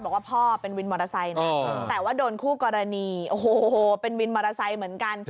บอกว่าพ่อเป็นวินมอเตอร์ไซค์นะแต่ว่าโดนคู่กรณีโอ้โหเป็นวินมอเตอร์ไซค์เหมือนกัน